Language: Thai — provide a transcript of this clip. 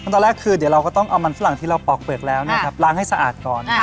แต่เราชอบทานบันบด